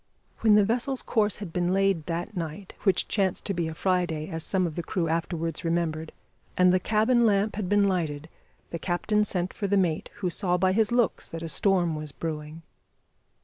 When the vessel's course had been laid that night which chanced to be a Friday, as some of the crew afterwards remembered and the cabin lamp had been lighted, the captain sent for the mate, who saw by his looks that a storm was brewing.